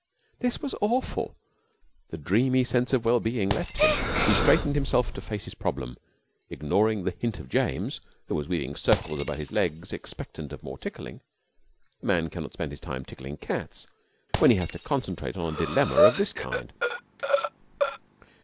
This was awful. The dreamy sense of well being left him. He straightened himself to face this problem, ignoring the hint of James, who was weaving circles about his legs expectant of more tickling. A man cannot spend his time tickling cats when he has to concentrate on a dilemma of this kind.